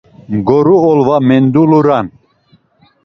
Mgoru olva menduluran.